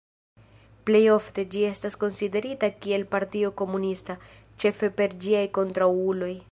Plej ofte, ĝi estas konsiderita kiel partio komunista, ĉefe per ĝiaj kontraŭuloj.